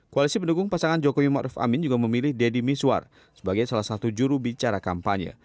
koalisi pendukung pasangan jokowi maruf amin juga memilih dedy miswar sebagai salah satu juru bicara kampanye